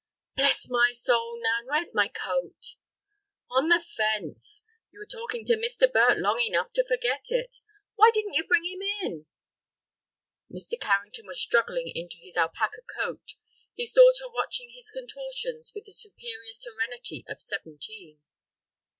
"Bless my soul, Nan, where's my coat?" "On the fence. You were talking to Mr. Burt long enough to forget it. Why didn't you bring him in?" Mr. Carrington was struggling into his alpaca coat, his daughter watching his contortions with the superior serenity of seventeen.